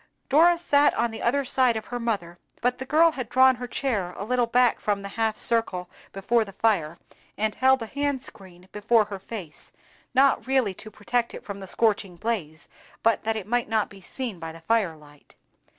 Dora sat on the other side of her mother, but the girl had drawn her chair a little back from the half circle before the fire, and held a hand screen before her face, not really to protect it from the scorching blaze, but that it might not be seen by the fire light.